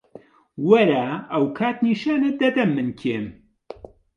وەرە، ئەو کات نیشانت دەدەم من کێم.